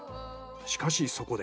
しかしそこで。